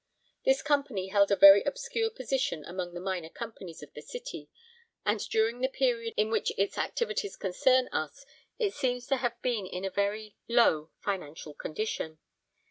This company held a very obscure position among the minor companies of the City, and during the period in which its activities concern us it seems to have been in a very low financial condition.